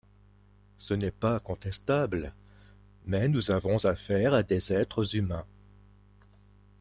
Ce n’est pas contestable, mais nous avons affaire à des êtres humains.